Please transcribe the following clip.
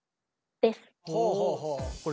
これ？